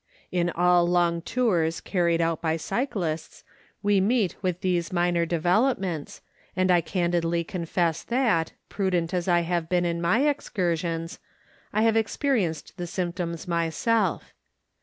In all long tours carried out by cyclists we meet with these minor de velopments and I candidly confess that, prudent as I have been in my excursions, I have experienced the symptoms myself.